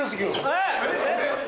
えっ！